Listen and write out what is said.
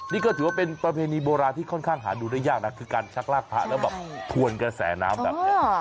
นี่ก็ถือว่าเป็นประเพณีโบราณที่ค่อนข้างหาดูได้ยากนะคือการชักลากพระแล้วแบบทวนกระแสน้ำแบบนี้